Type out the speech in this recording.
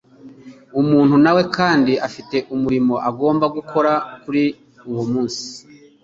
Umuntu nawe kandi afite umurimo agomba gukora kuri uwo munsi.